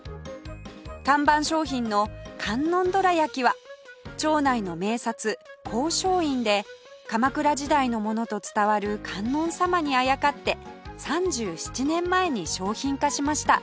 看板商品の観音どら焼きは町内の名刹迎攝院で鎌倉時代のものと伝わる観音様にあやかって３７年前に商品化しました